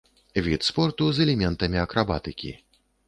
Від спорту з элементамі акрабатыкі.